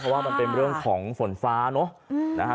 เพราะว่ามันเป็นเรื่องของฝนฟ้าเนอะนะฮะ